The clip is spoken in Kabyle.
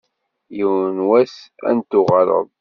Yiwen n wass ad n-tuɣaleḍ.